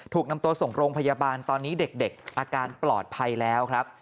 ถูกนำตัวส่งโรงพยาบาลตอนนี้เด็กอาการปลอดภัยแล้วครับ